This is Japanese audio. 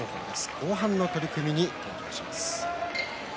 後半の取組に臨みます。